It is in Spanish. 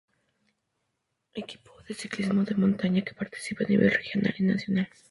Equipo de Ciclismo de montaña que participa a nivel regional y nacional.